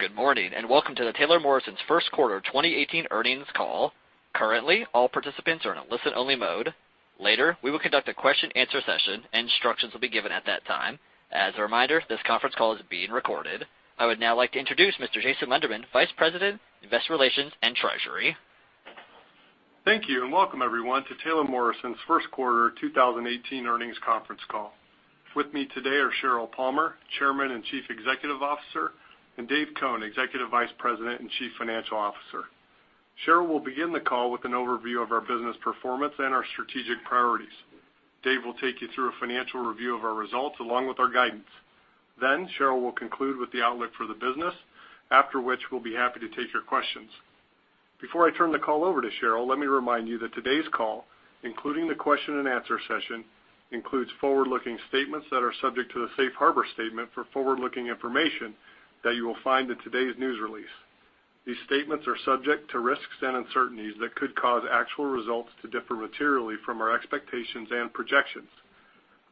Good morning and welcome to the Taylor Morrison's First Quarter 2018 Earnings Call. Currently, all participants are in a listen-only mode. Later, we will conduct a question-and-answer session, and instructions will be given at that time. As a reminder, this conference call is being recorded. I would now like to introduce Mr. Jason Landamen, Vice President, Investor Relations and Treasury. Thank you and welcome, everyone, to Taylor Morrison's First Quarter 2018 earnings conference call. With me today are Sheryl Palmer, Chairman and Chief Executive Officer, and Dave Cone, Executive Vice President and Chief Financial Officer. Sheryl will begin the call with an overview of our business performance and our strategic priorities. Dave will take you through a financial review of our results along with our guidance. Then, Sheryl will conclude with the outlook for the business, after which we'll be happy to take your questions. Before I turn the call over to Sheryl, let me remind you that today's call, including the question-and-answer session, includes forward-looking statements that are subject to the Safe Harbor Statement for forward-looking information that you will find in today's news release. These statements are subject to risks and uncertainties that could cause actual results to differ materially from our expectations and projections.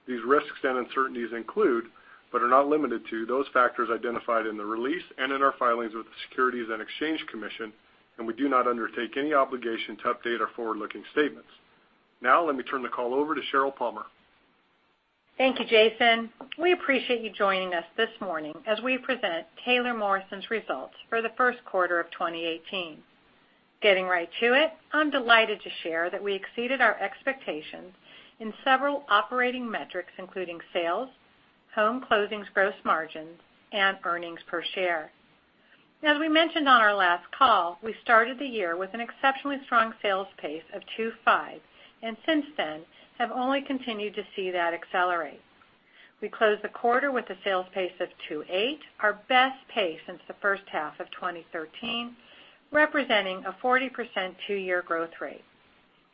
These risks and uncertainties include, but are not limited to, those factors identified in the release and in our filings with the Securities and Exchange Commission, and we do not undertake any obligation to update our forward-looking statements. Now, let me turn the call over to Sheryl Palmer. Thank you, Jason. We appreciate you joining us this morning as we present Taylor Morrison's results for the first quarter of 2018. Getting right to it, I'm delighted to share that we exceeded our expectations in several operating metrics, including sales, home closings, gross margins, and earnings per share. As we mentioned on our last call, we started the year with an exceptionally strong sales pace of 2.5, and since then have only continued to see that accelerate. We closed the quarter with a sales pace of 2.8, our best pace since the first half of 2013, representing a 40% two-year growth rate.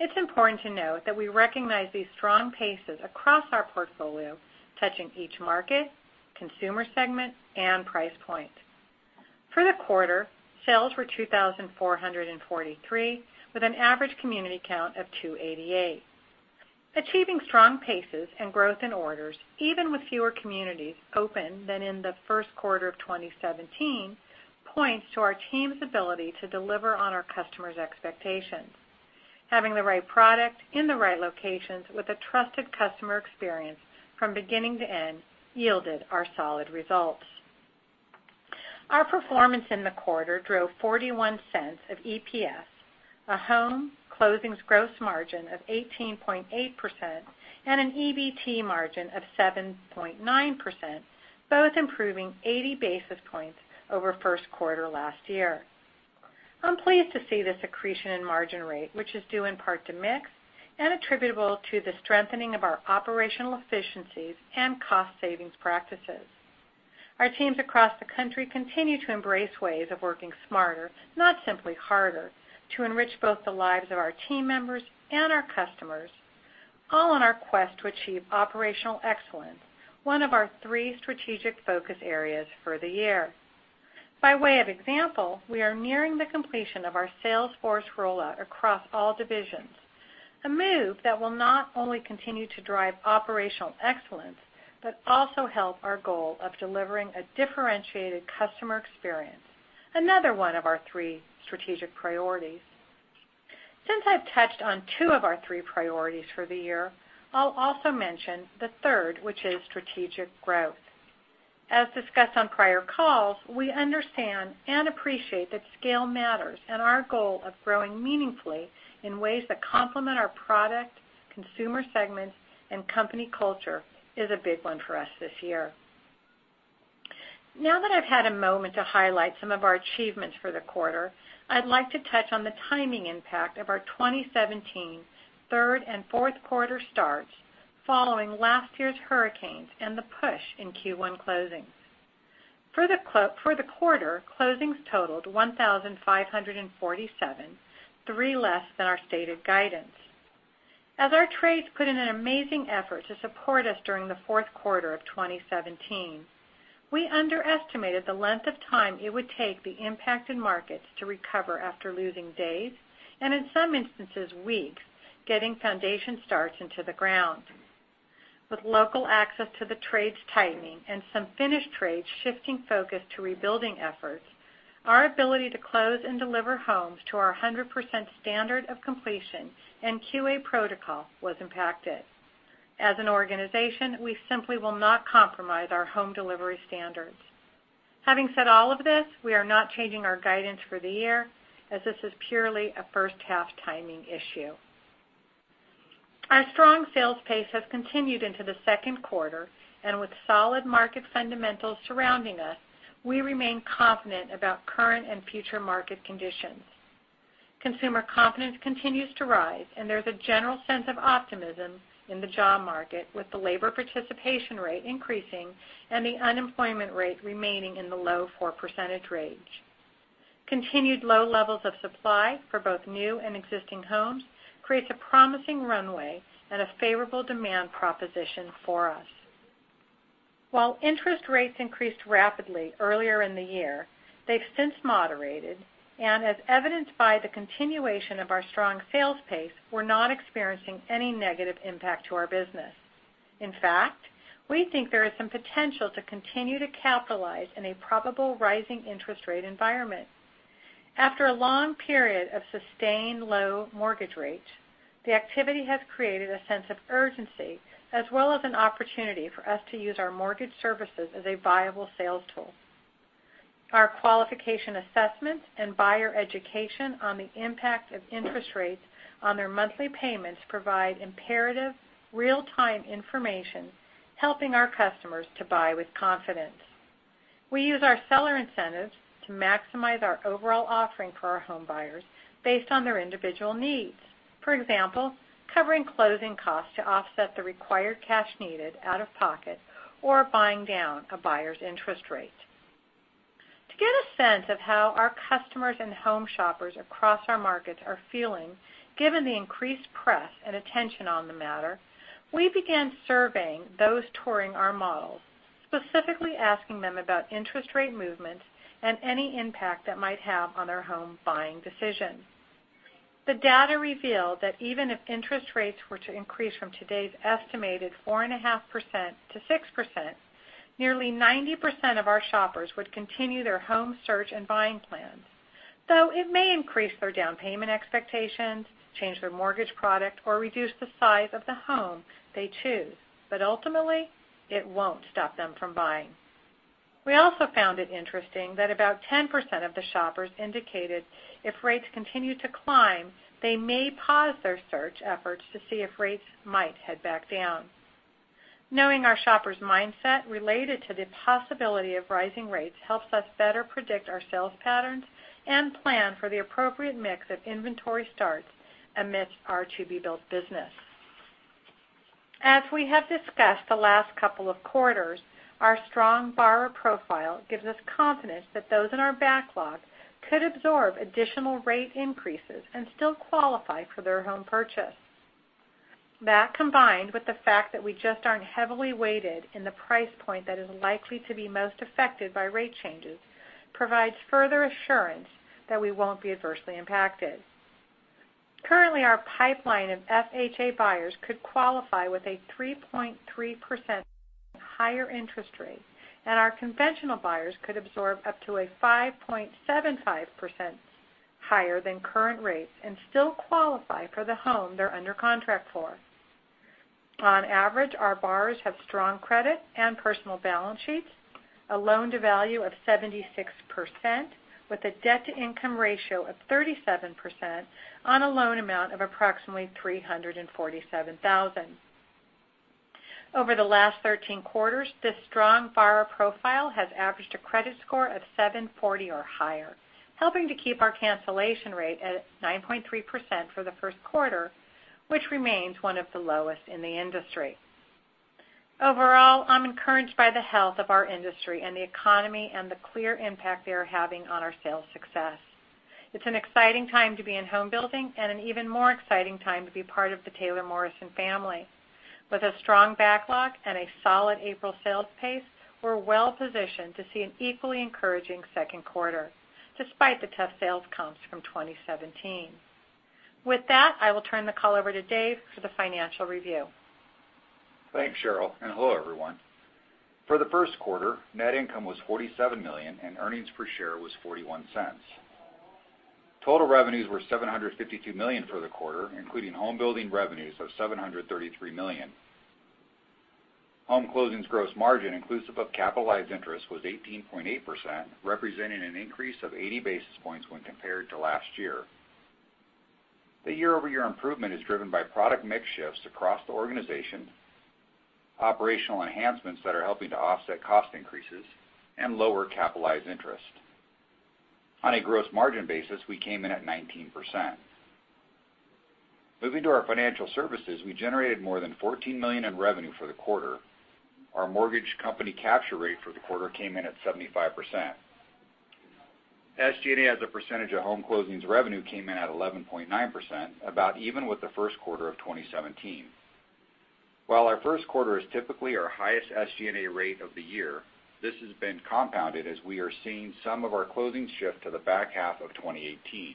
It's important to note that we recognize these strong paces across our portfolio, touching each market, consumer segment, and price point. For the quarter, sales were 2,443, with an average community count of 288. Achieving strong paces and growth in orders, even with fewer communities open than in the first quarter of 2017, points to our team's ability to deliver on our customers' expectations. Having the right product in the right locations with a trusted customer experience from beginning to end yielded our solid results. Our performance in the quarter drove $0.41 of EPS, a home closings gross margin of 18.8%, and an EBT margin of 7.9%, both improving 80 basis points over first quarter last year. I'm pleased to see this accretion in margin rate, which is due in part to mix and attributable to the strengthening of our operational efficiencies and cost savings practices. Our teams across the country continue to embrace ways of working smarter, not simply harder, to enrich both the lives of our team members and our customers, all in our quest to achieve operational excellence, one of our three strategic focus areas for the year. By way of example, we are nearing the completion of our Salesforce rollout across all divisions, a move that will not only continue to drive operational excellence but also help our goal of delivering a differentiated customer experience, another one of our three strategic priorities. Since I've touched on two of our three priorities for the year, I'll also mention the third, which is strategic growth. As discussed on prior calls, we understand and appreciate that scale matters, and our goal of growing meaningfully in ways that complement our product, consumer segments, and company culture is a big one for us this year. Now that I've had a moment to highlight some of our achievements for the quarter, I'd like to touch on the timing impact of our 2017 third and fourth quarter starts following last year's hurricanes and the push in Q1 closings. For the quarter, closings totaled 1,547, three less than our stated guidance. As our trades put in an amazing effort to support us during the fourth quarter of 2017, we underestimated the length of time it would take the impacted markets to recover after losing days and, in some instances, weeks, getting foundation starts into the ground. With local access to the trades tightening and some finished trades shifting focus to rebuilding efforts, our ability to close and deliver homes to our 100% standard of completion and QA protocol was impacted. As an organization, we simply will not compromise our home delivery standards. Having said all of this, we are not changing our guidance for the year, as this is purely a first half timing issue. Our strong sales pace has continued into the second quarter, and with solid market fundamentals surrounding us, we remain confident about current and future market conditions. Consumer confidence continues to rise, and there's a general sense of optimism in the job market with the labor participation rate increasing and the unemployment rate remaining in the low 4% range. Continued low levels of supply for both new and existing homes create a promising runway and a favorable demand proposition for us. While interest rates increased rapidly earlier in the year, they've since moderated, and as evidenced by the continuation of our strong sales pace, we're not experiencing any negative impact to our business. In fact, we think there is some potential to continue to capitalize in a probable rising interest rate environment. After a long period of sustained low mortgage rates, the activity has created a sense of urgency as well as an opportunity for us to use our mortgage services as a viable sales tool. Our qualification assessments and buyer education on the impact of interest rates on their monthly payments provide imperative, real-time information helping our customers to buy with confidence. We use our seller incentives to maximize our overall offering for our home buyers based on their individual needs. For example, covering closing costs to offset the required cash needed out of pocket or buying down a buyer's interest rate. To get a sense of how our customers and home shoppers across our markets are feeling, given the increased press and attention on the matter, we began surveying those touring our models, specifically asking them about interest rate movements and any impact that might have on their home buying decision. The data revealed that even if interest rates were to increase from today's estimated 4.5%-6%, nearly 90% of our shoppers would continue their home search and buying plans, though it may increase their down payment expectations, change their mortgage product, or reduce the size of the home they choose. But ultimately, it won't stop them from buying. We also found it interesting that about 10% of the shoppers indicated if rates continue to climb, they may pause their search efforts to see if rates might head back down. Knowing our shoppers' mindset related to the possibility of rising rates helps us better predict our sales patterns and plan for the appropriate mix of inventory starts amidst our to-be-built business. As we have discussed the last couple of quarters, our strong borrower profile gives us confidence that those in our backlog could absorb additional rate increases and still qualify for their home purchase. That combined with the fact that we just aren't heavily weighted in the price point that is likely to be most affected by rate changes provides further assurance that we won't be adversely impacted. Currently, our pipeline of FHA buyers could qualify with a 3.3% higher interest rate, and our conventional buyers could absorb up to a 5.75% higher than current rates and still qualify for the home they're under contract for. On average, our borrowers have strong credit and personal balance sheets, a loan-to-value of 76%, with a debt-to-income ratio of 37% on a loan amount of approximately $347,000. Over the last 13 quarters, this strong borrower profile has averaged a credit score of 740 or higher, helping to keep our cancellation rate at 9.3% for the first quarter, which remains one of the lowest in the industry. Overall, I'm encouraged by the health of our industry and the economy and the clear impact they are having on our sales success. It's an exciting time to be in home building and an even more exciting time to be part of the Taylor Morrison family. With a strong backlog and a solid April sales pace, we're well positioned to see an equally encouraging second quarter, despite the tough sales comps from 2017. With that, I will turn the call over to Dave for the financial review. Thanks, Sheryl, and hello, everyone. For the first quarter, net income was $47 million, and earnings per share was $0.41. Total revenues were $752 million for the quarter, including home building revenues of $733 million. Home closings gross margin, inclusive of capitalized interest, was 18.8%, representing an increase of 80 basis points when compared to last year. The year-over-year improvement is driven by product mix shifts across the organization, operational enhancements that are helping to offset cost increases, and lower capitalized interest. On a gross margin basis, we came in at 19%. Moving to our financial services, we generated more than $14 million in revenue for the quarter. Our mortgage company capture rate for the quarter came in at 75%. SG&A as a percentage of home closings revenue came in at 11.9%, about even with the first quarter of 2017. While our first quarter is typically our highest SG&A rate of the year, this has been compounded as we are seeing some of our closings shift to the back half of 2018.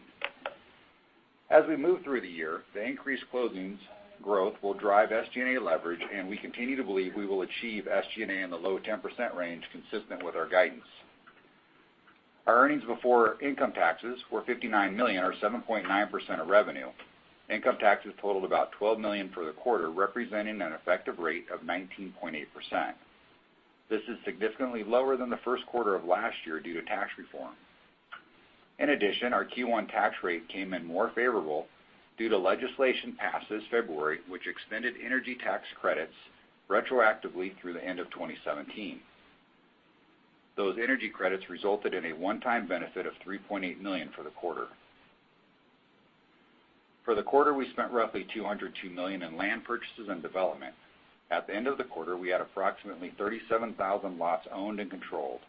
As we move through the year, the increased closings growth will drive SG&A leverage, and we continue to believe we will achieve SG&A in the low 10% range consistent with our guidance. Our earnings before income taxes were $59 million, or 7.9% of revenue. Income taxes totaled about $12 million for the quarter, representing an effective rate of 19.8%. This is significantly lower than the first quarter of last year due to tax reform. In addition, our Q1 tax rate came in more favorable due to legislation passed this February, which extended energy tax credits retroactively through the end of 2017. Those energy credits resulted in a one-time benefit of $3.8 million for the quarter. For the quarter, we spent roughly $202 million in land purchases and development. At the end of the quarter, we had approximately 37,000 lots owned and controlled.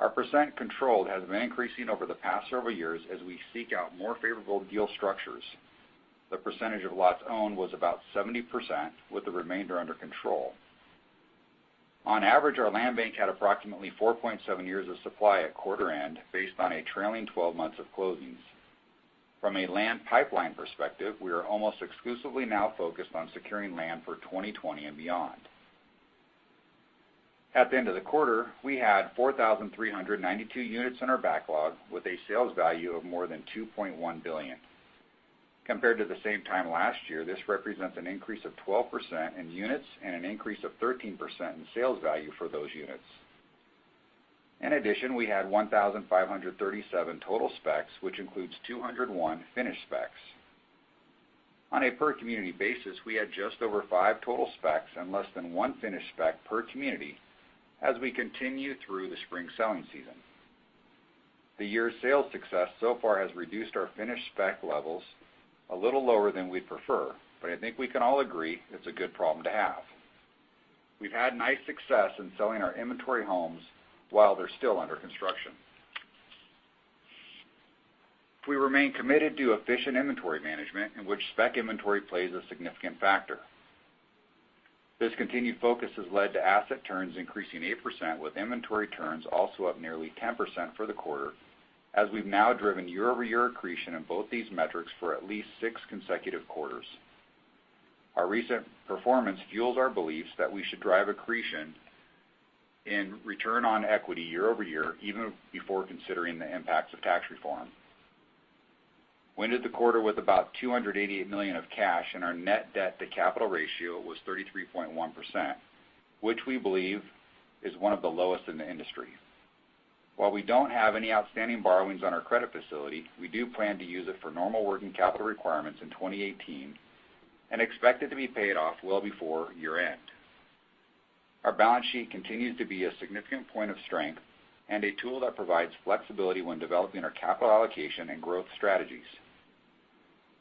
Our percent controlled has been increasing over the past several years as we seek out more favorable deal structures. The percentage of lots owned was about 70%, with the remainder under control. On average, our land bank had approximately 4.7 years of supply at quarter end based on a trailing 12 months of closings. From a land pipeline perspective, we are almost exclusively now focused on securing land for 2020 and beyond. At the end of the quarter, we had 4,392 units in our backlog with a sales value of more than $2.1 billion. Compared to the same time last year, this represents an increase of 12% in units and an increase of 13% in sales value for those units. In addition, we had 1,537 total specs, which includes 201 finished specs. On a per-community basis, we had just over five total specs and less than one finished spec per community as we continue through the spring selling season. The year's sales success so far has reduced our finished spec levels a little lower than we'd prefer, but I think we can all agree it's a good problem to have. We've had nice success in selling our inventory homes while they're still under construction. We remain committed to efficient inventory management, in which spec inventory plays a significant factor. This continued focus has led to asset turns increasing 8%, with inventory turns also up nearly 10% for the quarter, as we've now driven year-over-year accretion in both these metrics for at least six consecutive quarters. Our recent performance fuels our beliefs that we should drive accretion in return on equity year-over-year, even before considering the impacts of tax reform. We ended the quarter with about $288 million of cash, and our net debt-to-capital ratio was 33.1%, which we believe is one of the lowest in the industry. While we don't have any outstanding borrowings on our credit facility, we do plan to use it for normal working capital requirements in 2018 and expect it to be paid off well before year-end. Our balance sheet continues to be a significant point of strength and a tool that provides flexibility when developing our capital allocation and growth strategies.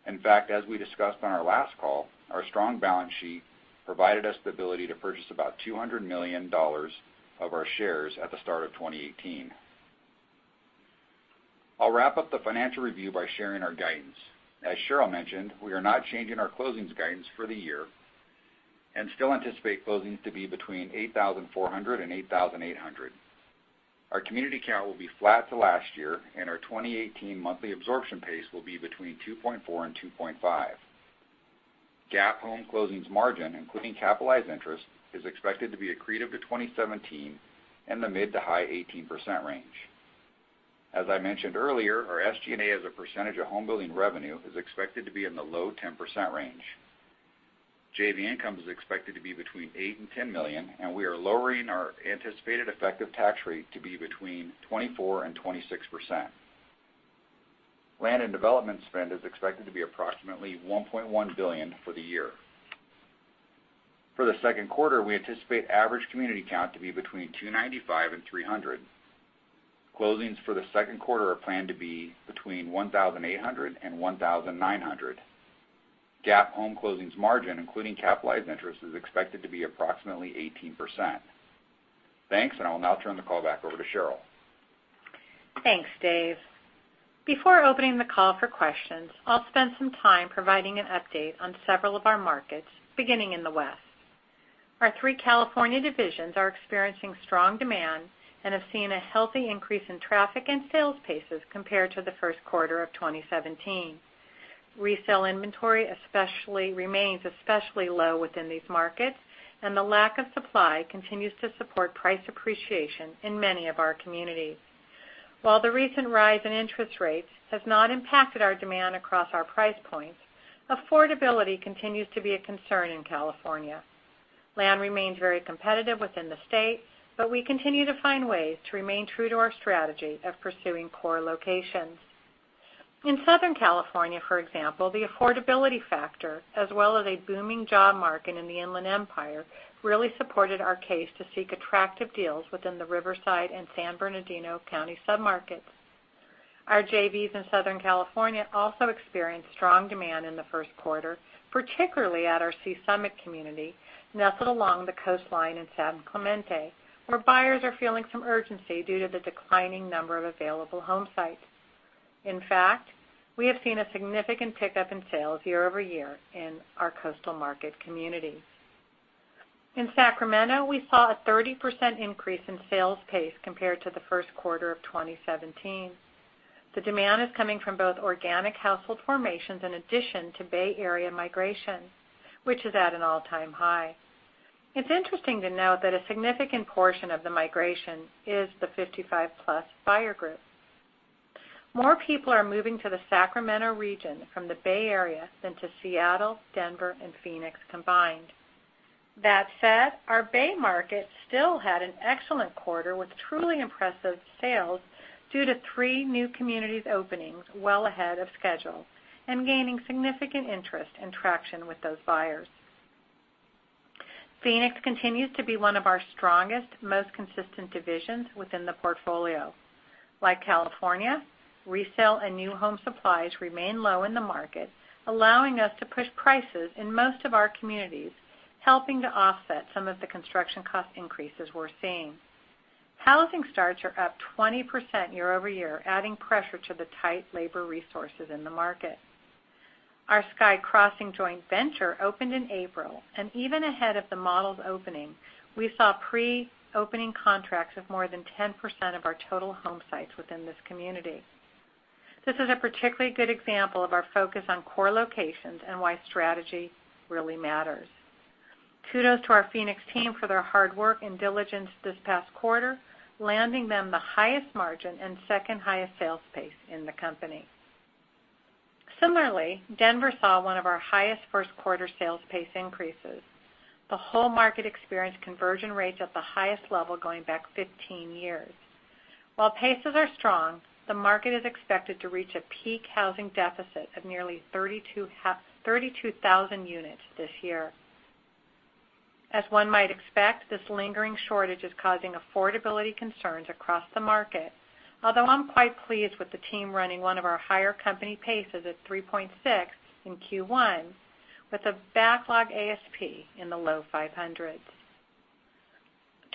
In fact, as we discussed on our last call, our strong balance sheet provided us the ability to purchase about $200 million of our shares at the start of 2018. I'll wrap up the financial review by sharing our guidance. As Sheryl mentioned, we are not changing our closings guidance for the year and still anticipate closings to be between 8,400 and 8,800. Our community count will be flat to last year, and our 2018 monthly absorption pace will be between 2.4 and 2.5. GAAP home closings margin, including capitalized interest, is expected to be accretive to 2017 in the mid to high 18% range. As I mentioned earlier, our SG&A as a percentage of home building revenue is expected to be in the low 10% range. JV income is expected to be between $8 million and $10 million, and we are lowering our anticipated effective tax rate to be between 24% and 26%. Land and development spend is expected to be approximately $1.1 billion for the year. For the second quarter, we anticipate average community count to be between 295 and 300. Closings for the second quarter are planned to be between 1,800 and 1,900. Gross home closings margin, including capitalized interest, is expected to be approximately 18%. Thanks, and I will now turn the call back over to Sheryl. Thanks, Dave. Before opening the call for questions, I'll spend some time providing an update on several of our markets, beginning in the West. Our three California divisions are experiencing strong demand and have seen a healthy increase in traffic and sales paces compared to the first quarter of 2017. Resale inventory remains especially low within these markets, and the lack of supply continues to support price appreciation in many of our communities. While the recent rise in interest rates has not impacted our demand across our price points, affordability continues to be a concern in California. Land remains very competitive within the state, but we continue to find ways to remain true to our strategy of pursuing core locations. In Southern California, for example, the affordability factor, as well as a booming job market in the Inland Empire, really supported our case to seek attractive deals within the Riverside and San Bernardino County submarkets. Our JVs in Southern California also experienced strong demand in the first quarter, particularly at our Sea Summit community nestled along the coastline in San Clemente, where buyers are feeling some urgency due to the declining number of available home sites. In fact, we have seen a significant pickup in sales year-over-year in our coastal market community. In Sacramento, we saw a 30% increase in sales pace compared to the first quarter of 2017. The demand is coming from both organic household formations in addition to Bay Area migration, which is at an all-time high. It's interesting to note that a significant portion of the migration is the 55+ buyer group. More people are moving to the Sacramento region from the Bay Area than to Seattle, Denver, and Phoenix combined. That said, our Bay market still had an excellent quarter with truly impressive sales due to three new communities opening well ahead of schedule and gaining significant interest and traction with those buyers. Phoenix continues to be one of our strongest, most consistent divisions within the portfolio. Like California, resale and new home supplies remain low in the market, allowing us to push prices in most of our communities, helping to offset some of the construction cost increases we're seeing. Housing starts are up 20% year-over-year, adding pressure to the tight labor resources in the market. Our Sky Crossing Joint Venture opened in April, and even ahead of the model's opening, we saw pre-opening contracts of more than 10% of our total home sites within this community. This is a particularly good example of our focus on core locations and why strategy really matters. Kudos to our Phoenix team for their hard work and diligence this past quarter, landing them the highest margin and second-highest sales pace in the company. Similarly, Denver saw one of our highest first-quarter sales pace increases. The whole market experienced conversion rates at the highest level going back 15 years. While paces are strong, the market is expected to reach a peak housing deficit of nearly 32,000 units this year. As one might expect, this lingering shortage is causing affordability concerns across the market, although I'm quite pleased with the team running one of our higher company paces at 3.6 in Q1, with a backlog ASP in the low 500s.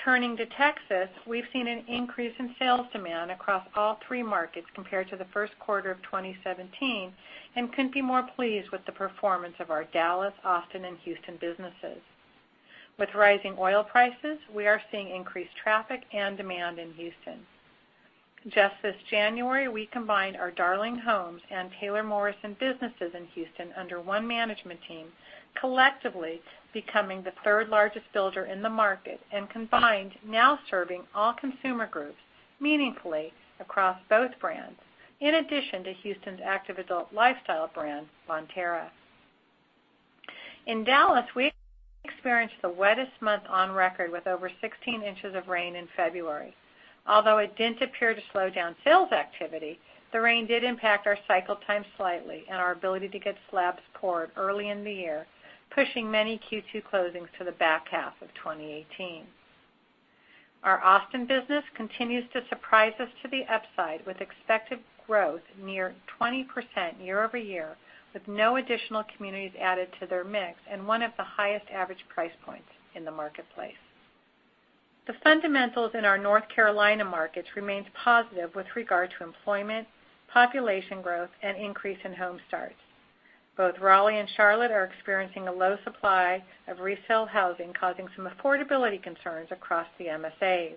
Turning to Texas, we've seen an increase in sales demand across all three markets compared to the first quarter of 2017, and couldn't be more pleased with the performance of our Dallas, Austin, and Houston businesses. With rising oil prices, we are seeing increased traffic and demand in Houston. Just this January, we combined our Darling Homes and Taylor Morrison businesses in Houston under one management team, collectively becoming the third-largest builder in the market and combined now serving all consumer groups meaningfully across both brands, in addition to Houston's active adult lifestyle brand, Bonterra. In Dallas, we experienced the wettest month on record with over 16 in of rain in February. Although it didn't appear to slow down sales activity, the rain did impact our cycle time slightly and our ability to get slabs poured early in the year, pushing many Q2 closings to the back half of 2018. Our Austin business continues to surprise us to the upside with expected growth near 20% year-over-year, with no additional communities added to their mix and one of the highest average price points in the marketplace. The fundamentals in our North Carolina markets remain positive with regard to employment, population growth, and increase in home starts. Both Raleigh and Charlotte are experiencing a low supply of resale housing, causing some affordability concerns across the MSAs.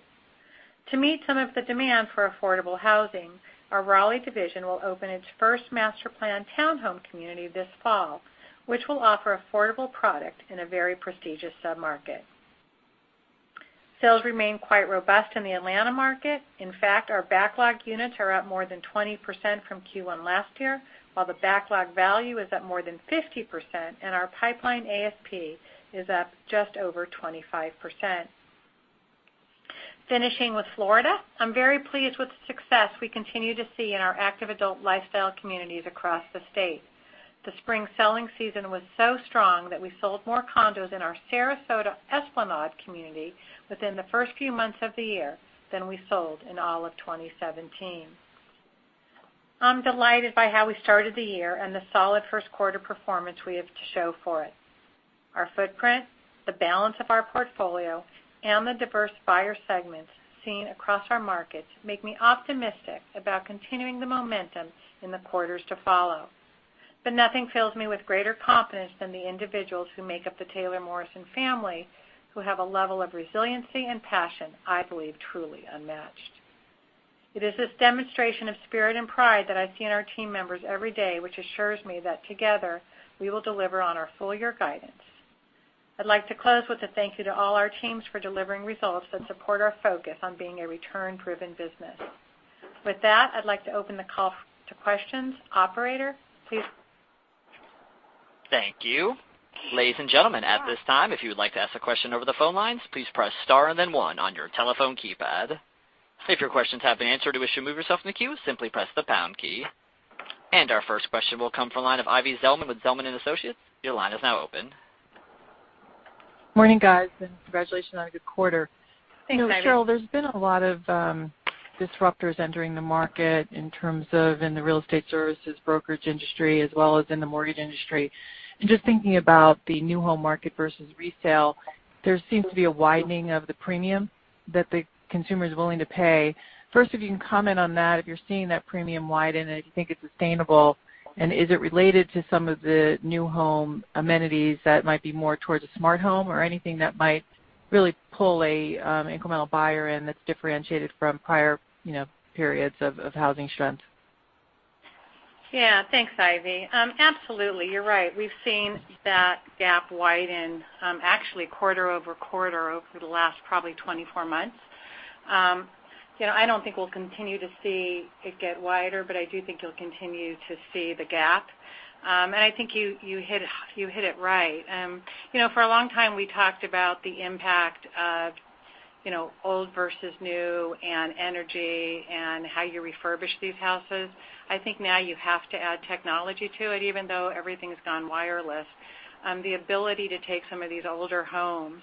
To meet some of the demand for affordable housing, our Raleigh division will open its first master plan townhome community this fall, which will offer affordable product in a very prestigious submarket. Sales remain quite robust in the Atlanta market. In fact, our backlog units are up more than 20% from Q1 last year, while the backlog value is up more than 50%, and our pipeline ASP is up just over 25%. Finishing with Florida, I'm very pleased with the success we continue to see in our active adult lifestyle communities across the state. The spring selling season was so strong that we sold more condos in our Sarasota Esplanade community within the first few months of the year than we sold in all of 2017. I'm delighted by how we started the year and the solid first-quarter performance we have to show for it. Our footprint, the balance of our portfolio, and the diverse buyer segments seen across our markets make me optimistic about continuing the momentum in the quarters to follow. But nothing fills me with greater confidence than the individuals who make up the Taylor Morrison family who have a level of resiliency and passion I believe truly unmatched. It is this demonstration of spirit and pride that I see in our team members every day, which assures me that together we will deliver on our full-year guidance. I'd like to close with a thank you to all our teams for delivering results that support our focus on being a return-driven business. With that, I'd like to open the call to questions. Operator, please. Thank you. Ladies and gentlemen, at this time, if you would like to ask a question over the phone lines, please press star and then one on your telephone keypad. If your questions have been answered or wish to move yourself in the queue, simply press the pound key. And our first question will come from the line of Ivy Zelman with Zelman & Associates. Your line is now open. Morning, guys, and congratulations on a good quarter. Thanks, Ivy. Thanks, Sheryl. There's been a lot of disruptors entering the market in terms of the real estate services brokerage industry as well as in the mortgage industry. And just thinking about the new home market versus resale, there seems to be a widening of the premium that the consumer is willing to pay. First, if you can comment on that, if you're seeing that premium widen and if you think it's sustainable, and is it related to some of the new home amenities that might be more towards a smart home or anything that might really pull an incremental buyer in that's differentiated from prior periods of housing strength? Yeah, thanks, Ivy. Absolutely, you're right. We've seen that gap widen actually quarter over quarter over the last probably 24 months. I don't think we'll continue to see it get wider, but I do think you'll continue to see the gap. And I think you hit it right. For a long time, we talked about the impact of old versus new and energy and how you refurbish these houses. I think now you have to add technology to it, even though everything's gone wireless. The ability to take some of these older homes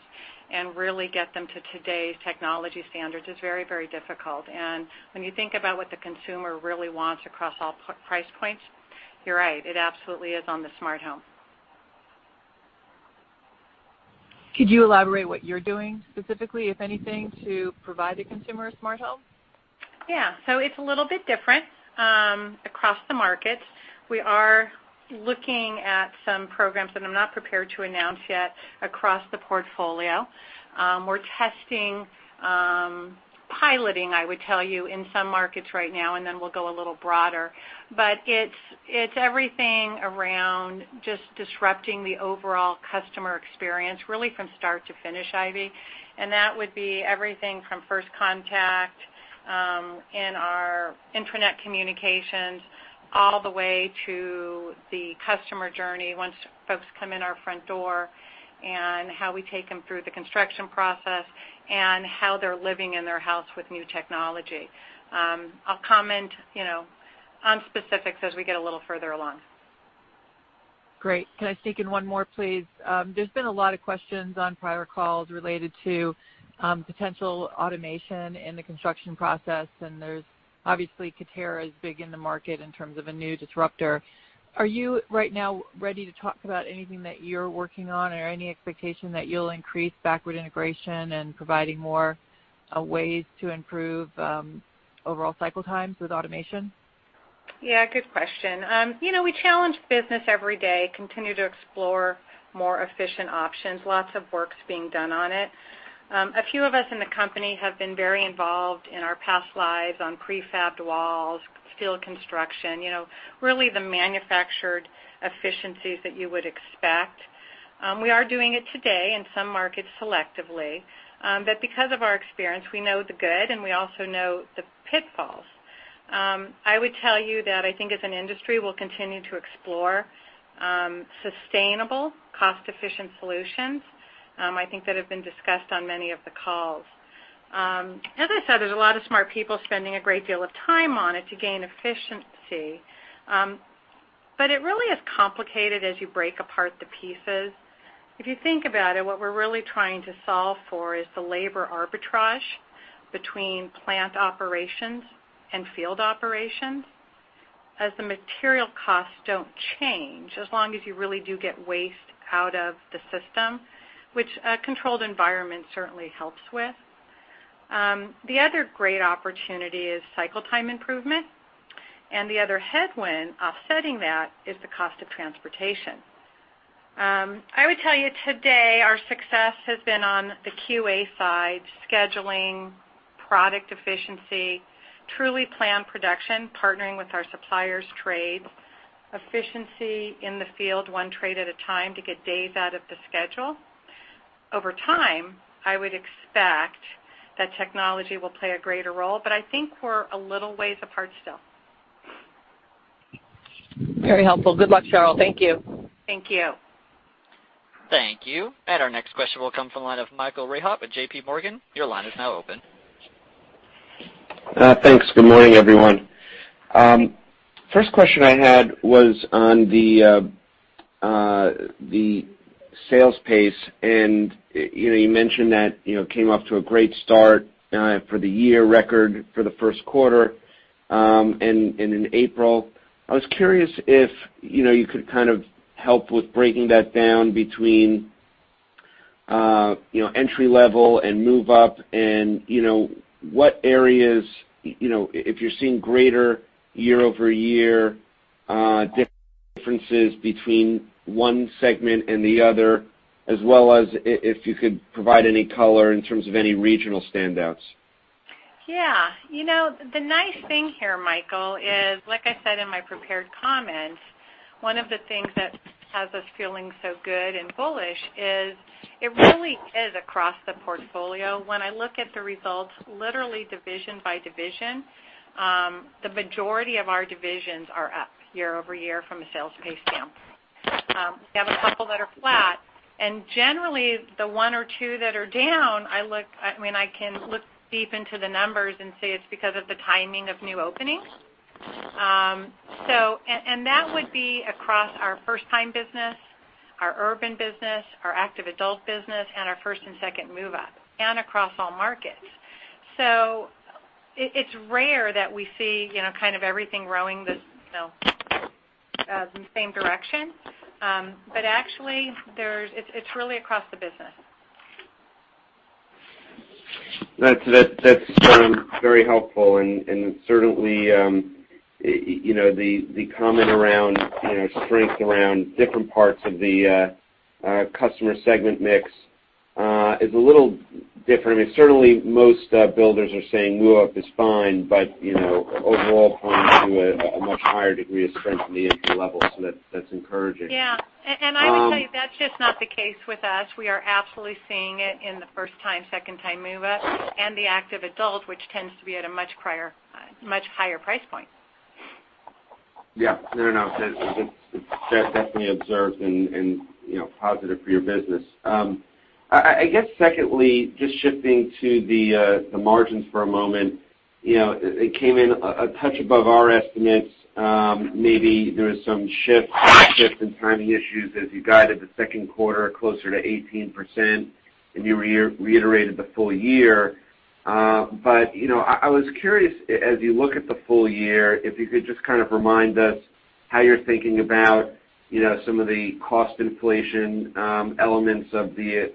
and really get them to today's technology standards is very, very difficult. And when you think about what the consumer really wants across all price points, you're right, it absolutely is on the smart home. Could you elaborate what you're doing specifically, if anything, to provide the consumer a smart home? Yeah, so it's a little bit different across the market. We are looking at some programs that I'm not prepared to announce yet across the portfolio. We're testing, piloting, I would tell you, in some markets right now, and then we'll go a little broader. But it's everything around just disrupting the overall customer experience really from start to finish, Ivy, and that would be everything from first contact in our intranet communications all the way to the customer journey once folks come in our front door and how we take them through the construction process and how they're living in their house with new technology. I'll comment on specifics as we get a little further along. Great. Can I sneak in one more, please? There's been a lot of questions on prior calls related to potential automation in the construction process, and there's obviously Katerra is big in the market in terms of a new disruptor. Are you right now ready to talk about anything that you're working on or any expectation that you'll increase backward integration and providing more ways to improve overall cycle times with automation? Yeah, good question. We challenge business every day, continue to explore more efficient options, lots of work being done on it. A few of us in the company have been very involved in our past lives on prefabbed walls, steel construction, really the manufactured efficiencies that you would expect. We are doing it today in some markets selectively, but because of our experience, we know the good and we also know the pitfalls. I would tell you that I think as an industry we'll continue to explore sustainable, cost-efficient solutions. I think that have been discussed on many of the calls. As I said, there's a lot of smart people spending a great deal of time on it to gain efficiency, but it really is complicated as you break apart the pieces. If you think about it, what we're really trying to solve for is the labor arbitrage between plant operations and field operations as the material costs don't change as long as you really do get waste out of the system, which a controlled environment certainly helps with. The other great opportunity is cycle time improvement, and the other headwind offsetting that is the cost of transportation. I would tell you today our success has been on the QA side, scheduling, product efficiency, truly planned production, partnering with our suppliers, trades, efficiency in the field, one trade at a time to get days out of the schedule. Over time, I would expect that technology will play a greater role, but I think we're a little ways apart still. Very helpful. Good luck, Sheryl. Thank you. Thank you. Thank you. And our next question will come from the line of Michael Rehaut at JPMorgan. Your line is now open. Thanks. Good morning, everyone. First question I had was on the sales pace, and you mentioned that it came off to a great start for the year, record for the first quarter in April. I was curious if you could kind of help with breaking that down between entry level and move up and what areas, if you're seeing greater year-over-year differences between one segment and the other, as well as if you could provide any color in terms of any regional standouts. Yeah. The nice thing here, Michael, is, like I said in my prepared comments, one of the things that has us feeling so good and bullish is it really is across the portfolio. When I look at the results, literally division by division, the majority of our divisions are up year-over-year from a sales pace standpoint. We have a couple that are flat, and generally the one or two that are down, I mean, I can look deep into the numbers and say it's because of the timing of new openings. And that would be across our first-time business, our urban business, our active adult business, and our first and second move up, and across all markets. So it's rare that we see kind of everything going the same direction, but actually it's really across the business. That's very helpful, and certainly the comment around strength around different parts of the customer segment mix is a little different. I mean, certainly most builders are saying move up is fine, but overall pointing to a much higher degree of strength in the entry level, so that's encouraging. Yeah, and I would tell you that's just not the case with us. We are absolutely seeing it in the first-time, second-time move-up, and the active adult, which tends to be at a much higher price point. Yeah. No, no. That's definitely observed and positive for your business. I guess secondly, just shifting to the margins for a moment, it came in a touch above our estimates. Maybe there was some shift in timing issues as you guided the second quarter closer to 18%, and you reiterated the full year. But I was curious, as you look at the full year, if you could just kind of remind us how you're thinking about some of the cost inflation elements of the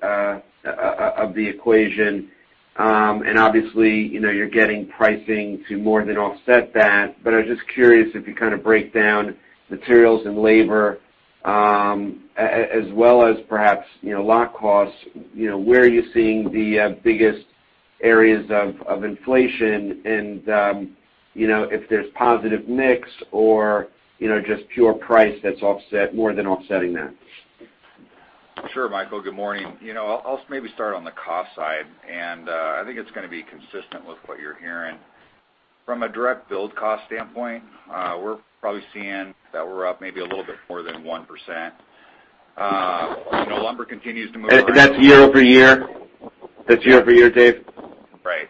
equation. And obviously, you're getting pricing to more than offset that, but I was just curious if you kind of break down materials and labor as well as perhaps lot costs, where are you seeing the biggest areas of inflation and if there's positive mix or just pure price that's more than offsetting that? Sure, Michael. Good morning. I'll maybe start on the cost side, and I think it's going to be consistent with what you're hearing. From a direct build cost standpoint, we're probably seeing that we're up maybe a little bit more than 1%. Lumber continues to move around. That's year-over-year? That's year-over-year, Dave? Right.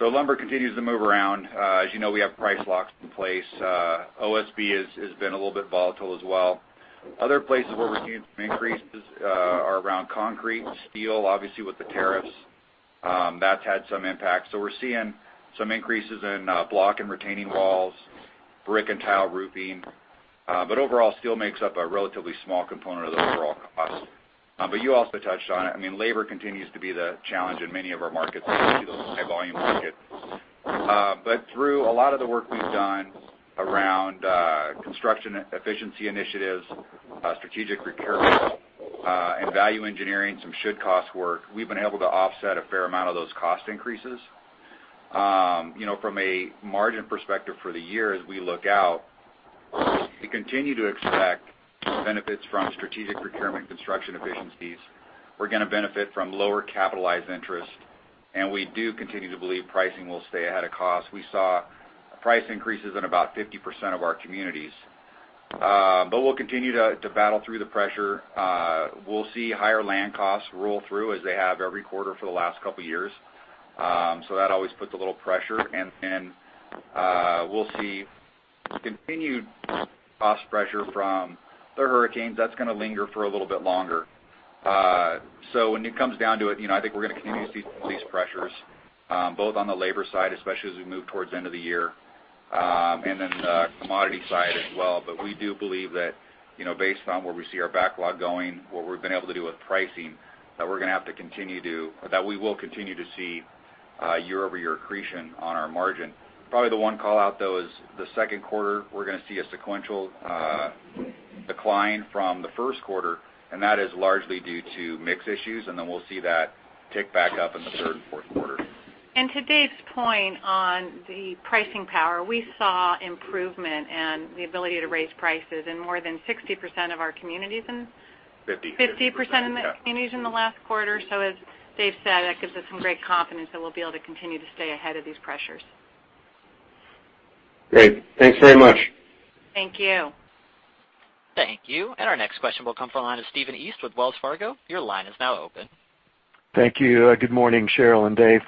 So lumber continues to move around. As you know, we have price locks in place. OSB has been a little bit volatile as well. Other places where we're seeing some increases are around concrete, steel, obviously with the tariffs. That's had some impact. So we're seeing some increases in block and retaining walls, brick and tile roofing. But overall, steel makes up a relatively small component of the overall cost. But you also touched on it. I mean, labor continues to be the challenge in many of our markets as we see those high-volume markets. But through a lot of the work we've done around construction efficiency initiatives, strategic procurement, and value engineering, some should-cost work, we've been able to offset a fair amount of those cost increases. From a margin perspective for the year, as we look out, we continue to expect benefits from strategic procurement construction efficiencies. We're going to benefit from lower capitalized interest, and we do continue to believe pricing will stay ahead of cost. We saw price increases in about 50% of our communities, but we'll continue to battle through the pressure. We'll see higher land costs roll through as they have every quarter for the last couple of years. So that always puts a little pressure. And then we'll see continued cost pressure from the hurricanes. That's going to linger for a little bit longer. So when it comes down to it, I think we're going to continue to see some of these pressures, both on the labor side, especially as we move towards the end of the year, and then the commodity side as well. But we do believe that based on where we see our backlog going, what we've been able to do with pricing, that we're going to have to continue to, or that we will continue to see year-over-year accretion on our margin. Probably the one callout, though, is the second quarter. We're going to see a sequential decline from the first quarter, and that is largely due to mix issues, and then we'll see that tick back up in the third and fourth quarter. To Dave's point on the pricing power, we saw improvement in the ability to raise prices in more than 60% of our communities in. 50%. 50% of the communities in the last quarter. So as Dave said, that gives us some great confidence that we'll be able to continue to stay ahead of these pressures. Great. Thanks very much. Thank you. Thank you. And our next question will come from the line of Stephen East with Wells Fargo. Your line is now open. Thank you. Good morning, Sheryl and Dave.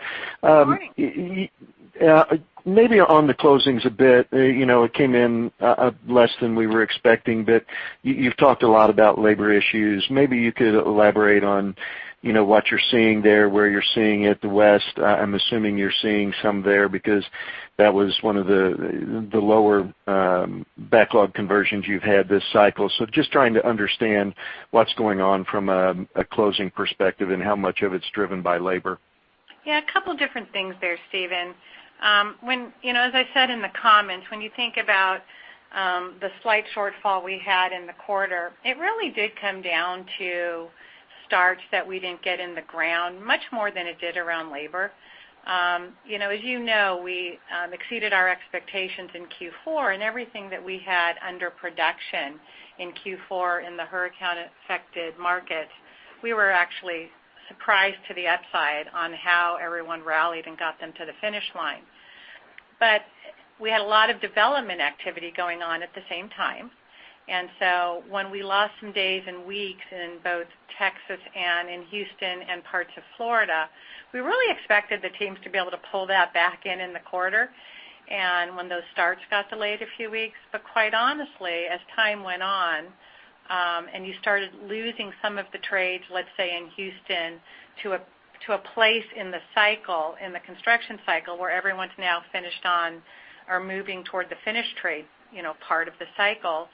Good morning. Maybe on the closings a bit, it came in less than we were expecting, but you've talked a lot about labor issues. Maybe you could elaborate on what you're seeing there, where you're seeing it, the West. I'm assuming you're seeing some there because that was one of the lower backlog conversions you've had this cycle. So just trying to understand what's going on from a closing perspective and how much of it's driven by labor. Yeah. A couple of different things there, Steven. As I said in the comments, when you think about the slight shortfall we had in the quarter, it really did come down to starts that we didn't get in the ground much more than it did around labor. As you know, we exceeded our expectations in Q4, and everything that we had under production in Q4 in the hurricane-affected market, we were actually surprised to the upside on how everyone rallied and got them to the finish line. But we had a lot of development activity going on at the same time. And so when we lost some days and weeks in both Texas and in Houston and parts of Florida, we really expected the teams to be able to pull that back in in the quarter. And when those starts got delayed a few weeks, but quite honestly, as time went on and you started losing some of the trades, let's say in Houston, to a place in the cycle, in the construction cycle where everyone's now finished on or moving toward the finished trade part of the cycle,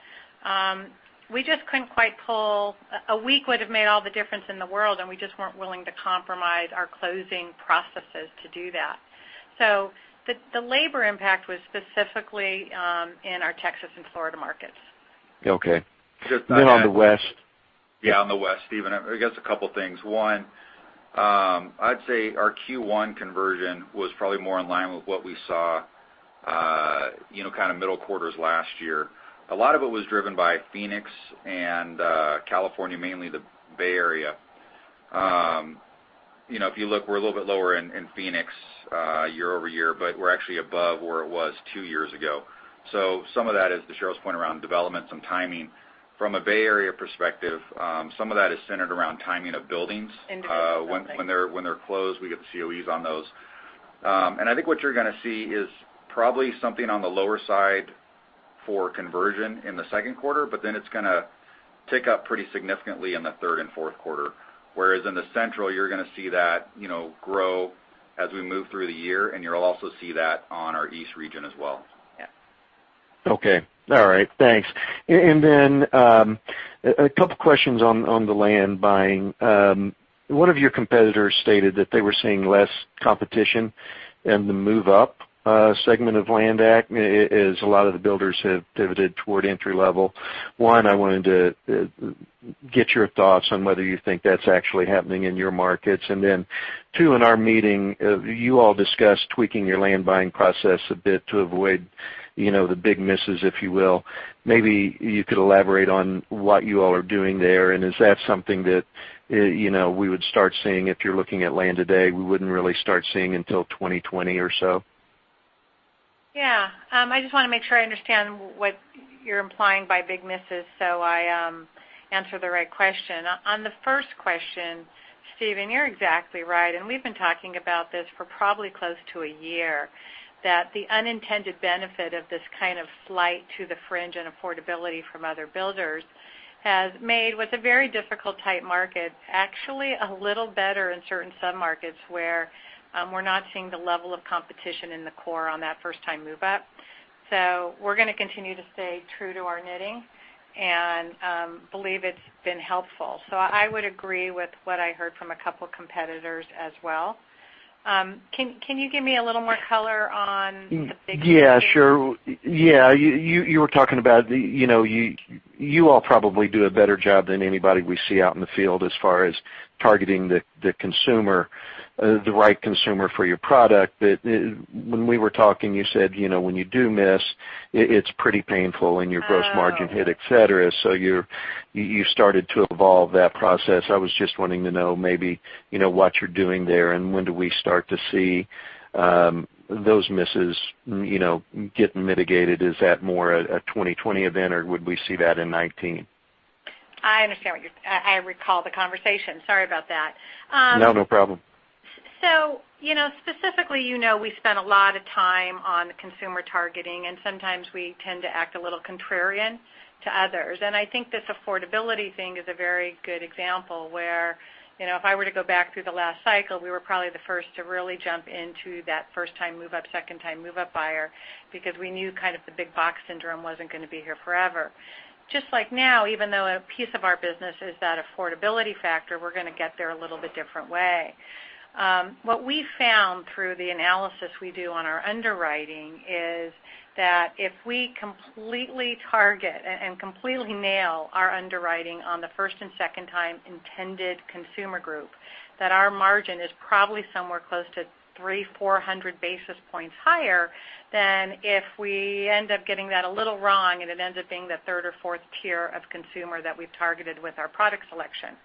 we just couldn't quite pull. A week would have made all the difference in the world, and we just weren't willing to compromise our closing processes to do that. So the labor impact was specifically in our Texas and Florida markets. Okay. Then on the West. Yeah, on the West, Stephen, I guess a couple of things. One, I'd say our Q1 conversion was probably more in line with what we saw kind of middle quarters last year. A lot of it was driven by Phoenix and California, mainly the Bay Area. If you look, we're a little bit lower in Phoenix year-over-year, but we're actually above where it was two years ago. So some of that is, to Sheryl's point around development, some timing. From a Bay Area perspective, some of that is centered around timing of buildings. Individually. When they're closed, we get the COEs on those. And I think what you're going to see is probably something on the lower side for conversion in the second quarter, but then it's going to tick up pretty significantly in the third and fourth quarter. Whereas in the Central, you're going to see that grow as we move through the year, and you'll also see that on our East region as well. Yeah. Okay. All right. Thanks. And then a couple of questions on the land buying. One of your competitors stated that they were seeing less competition in the move-up segment of land acquisition as a lot of the builders have pivoted toward entry level. One, I wanted to get your thoughts on whether you think that's actually happening in your markets. And then two, in our meeting, you all discussed tweaking your land buying process a bit to avoid the big misses, if you will. Maybe you could elaborate on what you all are doing there, and is that something that we would start seeing if you're looking at land today? We wouldn't really start seeing until 2020 or so. Yeah. I just want to make sure I understand what you're implying by big misses, so I answer the right question. On the first question, Steven, you're exactly right, and we've been talking about this for probably close to a year, that the unintended benefit of this kind of slight to the fringe and affordability from other builders has made what's a very difficult-type market actually a little better in certain sub-markets where we're not seeing the level of competition in the core on that first-time move-up. So we're going to continue to stay true to our knitting and believe it's been helpful. So I would agree with what I heard from a couple of competitors as well. Can you give me a little more color on the big misses? Yeah, sure. Yeah. You were talking about you all probably do a better job than anybody we see out in the field as far as targeting the right consumer for your product. But when we were talking, you said when you do miss, it's pretty painful in your gross margin hit, etc. So you've started to evolve that process. I was just wanting to know maybe what you're doing there and when do we start to see those misses getting mitigated? Is that more a 2020 event, or would we see that in 2019? I understand. I recall the conversation. Sorry about that. No, no problem. So, specifically, you know, we spent a lot of time on consumer targeting, and sometimes we tend to act a little contrarian to others. And I think this affordability thing is a very good example where if I were to go back through the last cycle, we were probably the first to really jump into that first-time move-up, second-time move-up buyer because we knew kind of the big box syndrome wasn't going to be here forever. Just like now, even though a piece of our business is that affordability factor, we're going to get there a little bit different way. What we found through the analysis we do on our underwriting is that if we completely target and completely nail our underwriting on the first- and second-time intended consumer group, that our margin is probably somewhere close to 3,400 basis points higher than if we end up getting that a little wrong and it ends up being the third or fourth tier of consumer that we've targeted with our product selection.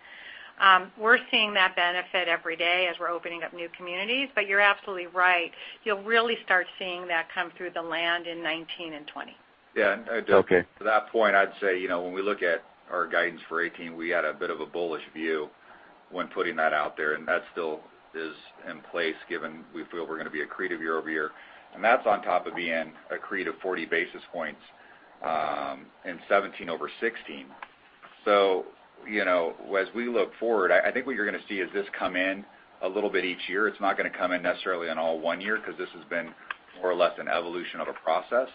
We're seeing that benefit every day as we're opening up new communities, but you're absolutely right. You'll really start seeing that come through the land in 2019 and 2020. Yeah. To that point, I'd say when we look at our guidance for 2018, we had a bit of a bullish view when putting that out there, and that still is in place given we feel we're going to be accretive year-over-year. And that's on top of being accretive 40 basis points in 2017 over 2016. So as we look forward, I think what you're going to see is this come in a little bit each year. It's not going to come in necessarily in all one year because this has been more or less an evolution of a process.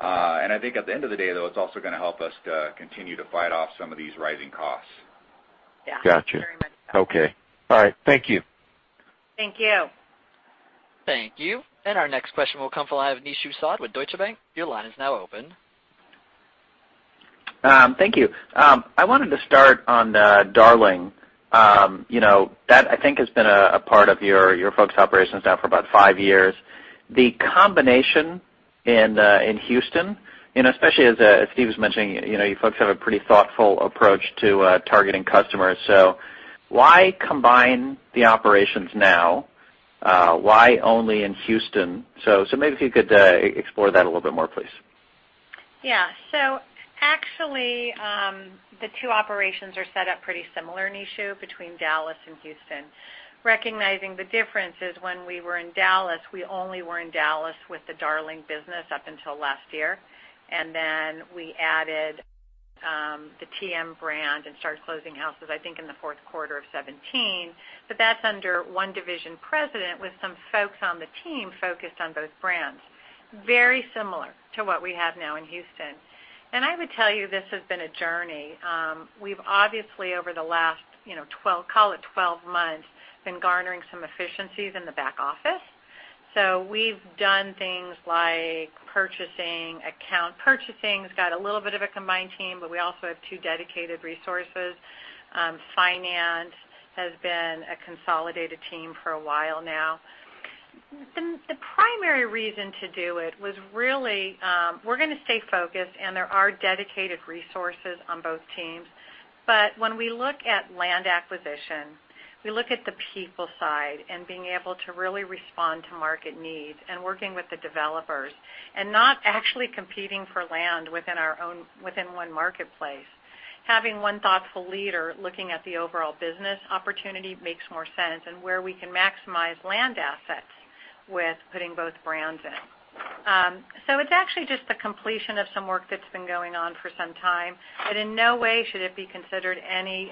And I think at the end of the day, though, it's also going to help us to continue to fight off some of these rising costs. Yeah. Gotcha. Thank you very much. Okay. All right. Thank you. Thank you. Thank you. And our next question will come from Nishu Sood with Deutsche Bank. Your line is now open. Thank you. I wanted to start on Darling. That, I think, has been a part of your folks' operations now for about five years. The combination in Houston, especially as Steve was mentioning, you folks have a pretty thoughtful approach to targeting customers. So why combine the operations now? Why only in Houston? So maybe if you could explore that a little bit more, please. Yeah. So actually, the two operations are set up pretty similar, Nishu, between Dallas and Houston. Recognizing the difference is when we were in Dallas, we only were in Dallas with the Darling business up until last year. And then we added the TM brand and started closing houses, I think, in the fourth quarter of 2017. But that's under one division president with some folks on the team focused on both brands. Very similar to what we have now in Houston. And I would tell you this has been a journey. We've obviously, over the last, call it 12 months, been garnering some efficiencies in the back office. So we've done things like purchasing. Account purchasing has got a little bit of a combined team, but we also have two dedicated resources. Finance has been a consolidated team for a while now. The primary reason to do it was really we're going to stay focused, and there are dedicated resources on both teams, but when we look at land acquisition, we look at the people side and being able to really respond to market needs and working with the developers and not actually competing for land within one marketplace. Having one thoughtful leader looking at the overall business opportunity makes more sense and where we can maximize land assets with putting both brands in, so it's actually just the completion of some work that's been going on for some time, but in no way should it be considered any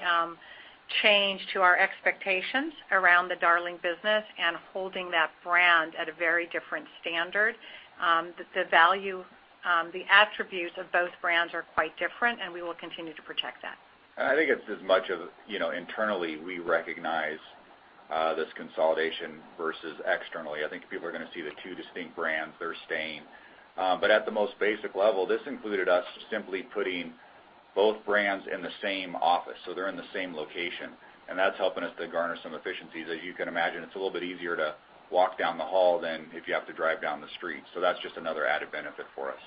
change to our expectations around the Darling business and holding that brand at a very different standard. The value, the attributes of both brands are quite different, and we will continue to protect that. I think it's as much of internally we recognize this consolidation versus externally. I think people are going to see the two distinct brands. They're staying. But at the most basic level, this included us simply putting both brands in the same office. So they're in the same location, and that's helping us to garner some efficiencies. As you can imagine, it's a little bit easier to walk down the hall than if you have to drive down the street. So that's just another added benefit for us.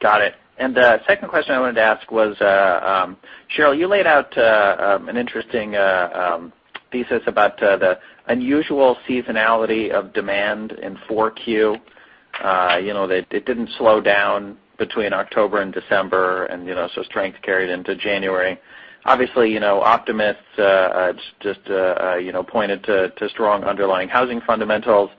Got it, and the second question I wanted to ask was, Sheryl, you laid out an interesting thesis about the unusual seasonality of demand in 4Q. It didn't slow down between October and December, and so strength carried into January. Obviously, optimists just pointed to strong underlying housing fundamentals,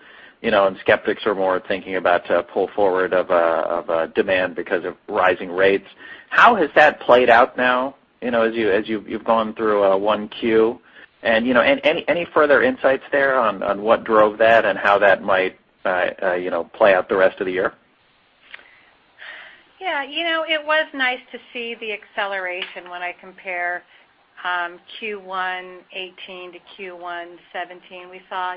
and skeptics are more thinking about a pull forward of demand because of rising rates. How has that played out now as you've gone through 1Q, and any further insights there on what drove that and how that might play out the rest of the year? Yeah. It was nice to see the acceleration when I compare Q1 2018 to Q1 2017. We saw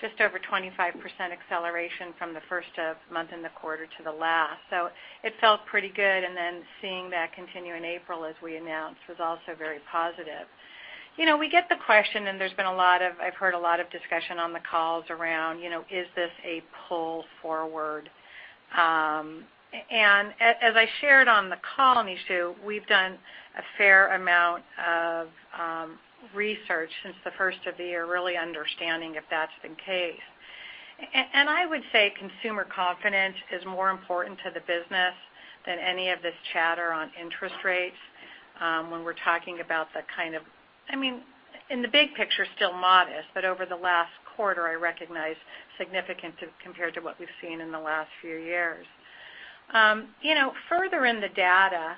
just over 25% acceleration from the first month in the quarter to the last. So it felt pretty good. And then seeing that continue in April as we announced was also very positive. We get the question, and there's been a lot of. I've heard a lot of discussion on the calls around, "Is this a pull forward?" And as I shared on the call, Nishu, we've done a fair amount of research since the first of the year really understanding if that's the case. I would say consumer confidence is more important to the business than any of this chatter on interest rates when we're talking about the kind of I mean, in the big picture, still modest, but over the last quarter, I recognize significant compared to what we've seen in the last few years. Further in the data,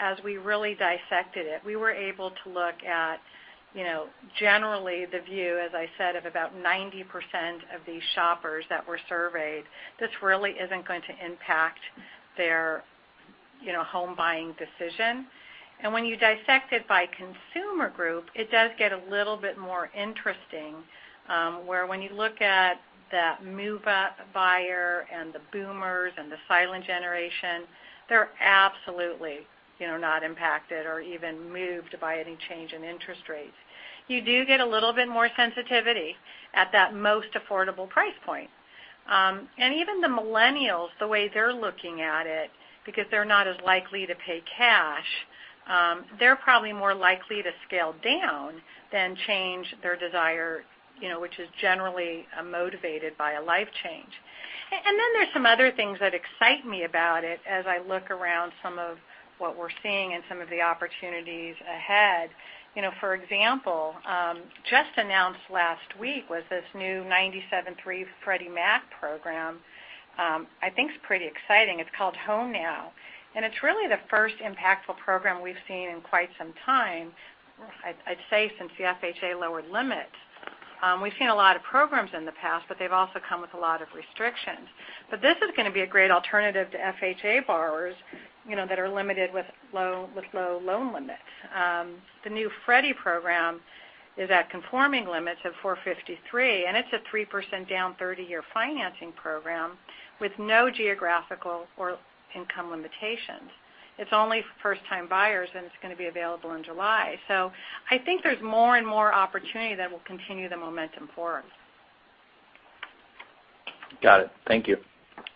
as we really dissected it, we were able to look at generally the view, as I said, of about 90% of these shoppers that were surveyed. This really isn't going to impact their home buying decision. When you dissect it by consumer group, it does get a little bit more interesting where when you look at that move-up buyer and the boomers and the silent generation, they're absolutely not impacted or even moved by any change in interest rates. You do get a little bit more sensitivity at that most affordable price point, and even the millennials, the way they're looking at it, because they're not as likely to pay cash, they're probably more likely to scale down than change their desire, which is generally motivated by a life change, and then there's some other things that excite me about it as I look around some of what we're seeing and some of the opportunities ahead. For example, just announced last week was this new 97/3 Freddie Mac program. I think it's pretty exciting. It's called HomeOne, and it's really the first impactful program we've seen in quite some time, I'd say, since the FHA lowered limits. We've seen a lot of programs in the past, but they've also come with a lot of restrictions. But this is going to be a great alternative to FHA borrowers that are limited with low loan limits. The new Freddie program is at conforming limits of 453, and it's a 3% down 30-year financing program with no geographical or income limitations. It's only for first-time buyers, and it's going to be available in July. So I think there's more and more opportunity that will continue the momentum forward. Got it. Thank you.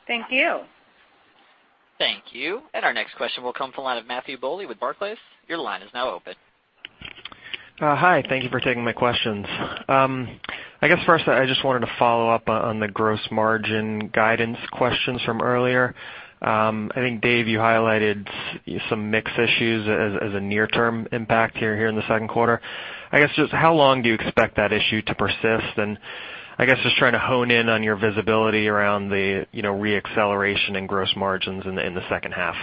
Thank you. Thank you. And our next question will come from the line of Matthew Bouley with Barclays. Your line is now open. Hi. Thank you for taking my questions. I guess first, I just wanted to follow up on the gross margin guidance questions from earlier. I think, Dave, you highlighted some mix issues as a near-term impact here in the second quarter. I guess just how long do you expect that issue to persist? And I guess just trying to hone in on your visibility around the re-acceleration and gross margins in the second half.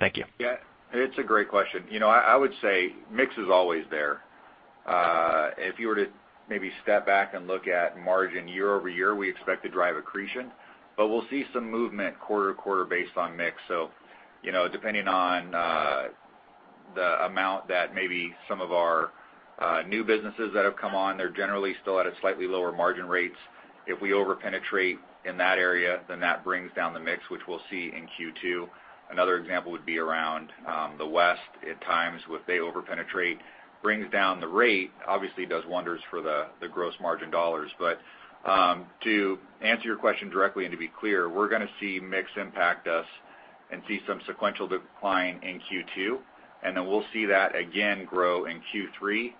Thank you. Yeah. It's a great question. I would say mix is always there. If you were to maybe step back and look at margin year-over-year, we expect to drive accretion, but we'll see some movement quarter to quarter based on mix. So depending on the amount that maybe some of our new businesses that have come on, they're generally still at slightly lower margin rates. If we over-penetrate in that area, then that brings down the mix, which we'll see in Q2. Another example would be around the West at times when they over-penetrate, brings down the rate, obviously does wonders for the gross margin dollars. But to answer your question directly and to be clear, we're going to see mix impact us and see some sequential decline in Q2, and then we'll see that again grow in Q3